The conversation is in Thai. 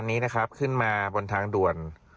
มอเตอร์ไซค์คันนี้ขึ้นมาบนทางด่วน